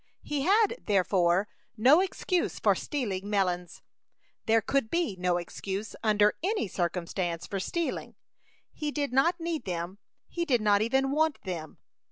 He had, therefore, no excuse for stealing melons. There could be no excuse, under any circumstances, for stealing. He did not need them; he did not even want them.